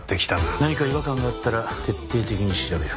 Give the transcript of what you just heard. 何か違和感があったら徹底的に調べる。